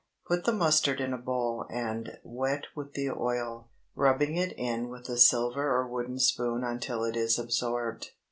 Put the mustard in a bowl and wet with the oil, rubbing it in with a silver or wooden spoon until it is absorbed.